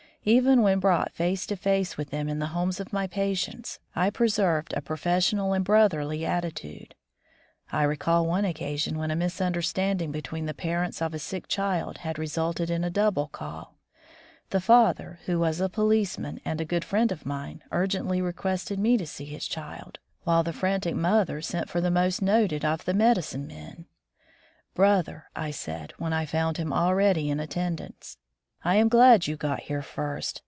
Even when brought face to face with them in the homes of my patients, I preserved a professional and brotherly attitude. I recall one occasion when a misunderstanding between the parents of 122 War with the Politicians a sick child had resulted in a double call. The father, who was a policeman and a good friend of mine, urgently requested me to see his child; while the frantic mother sent for the most noted of the medicine men. "Brother," I said, when I found him al ready in attendance, "I am glad you got here first.